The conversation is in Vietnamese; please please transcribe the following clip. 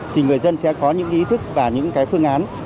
thì người dân sẽ có những ý thức và những cái phương án